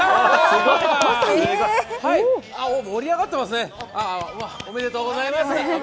盛り上がってますね、おめでとうございます。